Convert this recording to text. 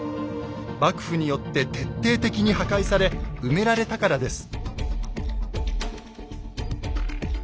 幕府によって徹底的に破壊され埋められたからです。